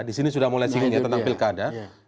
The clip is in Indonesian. di sini sudah mulai singgung ya tentang pilkada